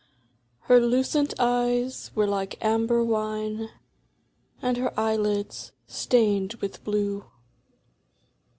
Her lucent eyes were like amber wine, And her eyelids stained with blue.